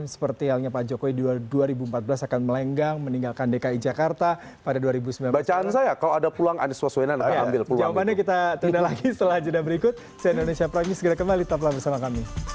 siapa dengan siapa